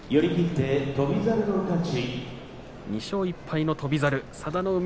２勝１敗の翔猿佐田の海